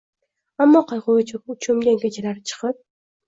Ammo qayg'uga cho'mgan kechalari chiqib